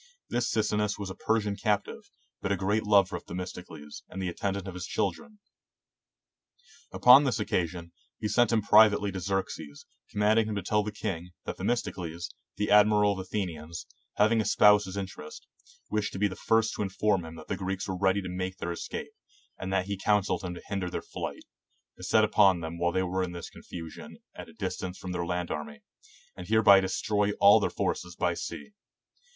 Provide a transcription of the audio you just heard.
This Sicinnus was a Persian captive, but a great lover of Themistocles, and the attendant of his children. Upon this occasion, he sent him privately to Xerxes, commanding him to tell the king,' that Themistocles, the admiral of the Atheni ans, having espoused his interest, wished to be the first to inform him that the Greeks were ready to make their escape, and that he counseled him to hinder their flight, to set upon them while they were in this confusion and at a distance from their land army, and hereby destroy all their forces by sea.